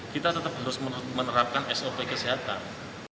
kita tetap harus menerapkan sop kesehatan